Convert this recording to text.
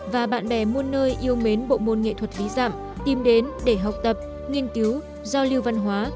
và bạn bè muôn nơi yêu mến bộ môn nghệ thuật ví dạm tìm đến để học tập nghiên cứu giao lưu văn hóa